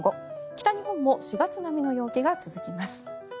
北日本も４月並みの陽気が続きます。